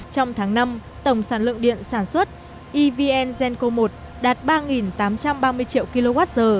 trong tháng năm tổng sản lượng điện sản xuất evn genco một đạt ba tám trăm ba mươi triệu kwh